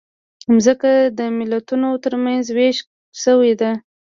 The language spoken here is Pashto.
مځکه د ملتونو ترمنځ وېشل شوې ده.